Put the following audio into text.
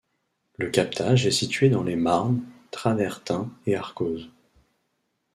Le captage est situé dans les marnes, travertins et arkoses.